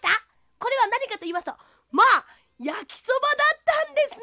これはなにかといいますとまあやきそばだったんですね！